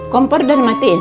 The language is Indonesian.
kompor dan matiin